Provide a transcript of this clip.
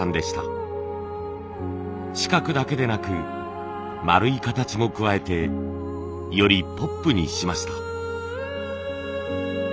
四角だけでなく丸い形も加えてよりポップにしました。